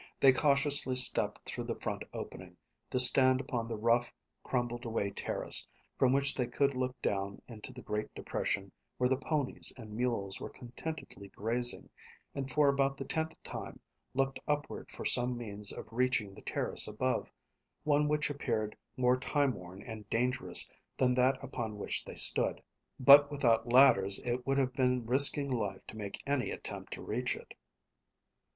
They cautiously stepped through the front opening, to stand upon the rough, crumbled away terrace, from which they could look down into the great depression where the ponies and mules were contentedly grazing, and for about the tenth time looked upward for some means of reaching the terrace above, one which appeared more time worn and dangerous than that upon which they stood; but without ladders it would have been risking life to make any attempt to reach it.